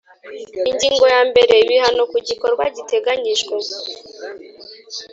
Ingingo ya mbere Ibihano ku gikorwa giteganyijwe